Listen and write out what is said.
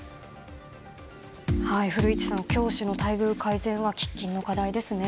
古市さん、教師の待遇改善は喫緊の課題ですね。